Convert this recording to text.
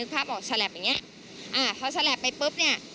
พอแชลปไปปุ๊บเนี่ย